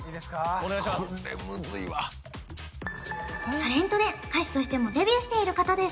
タレントで歌手としてもデビューしている方です